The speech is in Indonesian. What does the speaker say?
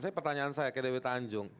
saya pertanyaan saya kayak dewi tanjung